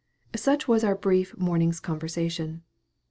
Such was our brief morning's conversation.